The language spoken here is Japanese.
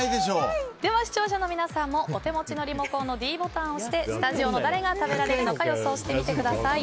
視聴者の皆さんもお手持ちのリモコンのｄボタンを押してスタジオの誰が食べられるのか予想してみてください。